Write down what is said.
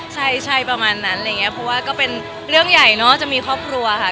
อศิลป์ใช่ประมาณนั้นเพราะว่าก็เป็นเรื่องใหญ่เนอะจะมีครอบครัวค่ะ